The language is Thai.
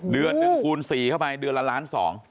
เดือนหนึ่งคูณ๔เข้าไปเดือนละล้าน๒